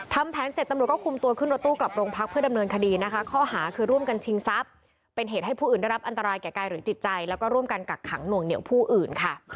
ทำแผนเสร็จตำรวจก็คุมตัวขึ้นรถตู้กลับโรงพักเพื่อดำเนินคดีนะคะข้อหาคือร่วมกันชิงทรัพย์เป็นเหตุให้ผู้อื่นได้รับอันตรายแก่กายหรือจิตใจแล้วก็ร่วมกันกักขังหน่วงเหนียวผู้อื่นค่ะ